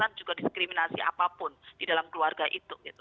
dan juga diskriminasi apapun di dalam keluarga itu